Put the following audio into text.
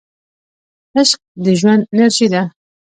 عشق د ژوند انرژي ده.